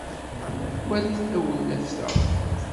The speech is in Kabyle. walit tawellaft-a